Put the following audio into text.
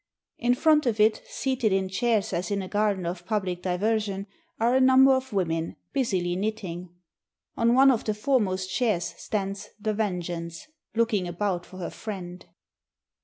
In front of it, seated in chairs as in a garden of public diversion, are a num ber of women, busily knitting. On one of the foremost chairs, stands The Vengeance, looking about for her friend.